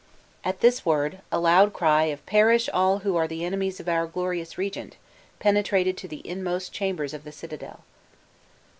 At this word, a loud cry of "Perish all who are the enemies of our glorious regent!" penetrated to the inmost chambers of the citadel.